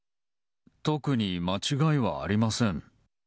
特に間違いはありません。